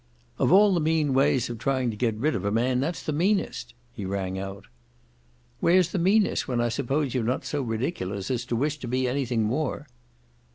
"Of all the mean ways of trying to get rid of a man that's the meanest!" he rang out. "Where's the meanness when I suppose you're not so ridiculous as to wish to be anything more!"